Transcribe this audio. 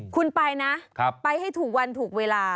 คุณไปนะไปให้ถูกวันถูกเวลา